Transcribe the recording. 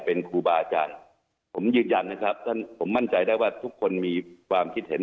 เป็นครูบาอาจารย์ผมยืนยันนะครับท่านผมมั่นใจได้ว่าทุกคนมีความคิดเห็น